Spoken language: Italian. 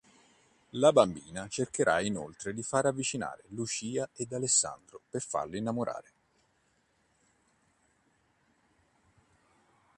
La bambina cercherà inoltre di far avvicinare Lucia ed Alessandro per farli innamorare.